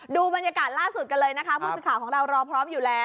ดูบรรยากาศล่าสุดกันเลยนะคะผู้สื่อข่าวของเรารอพร้อมอยู่แล้ว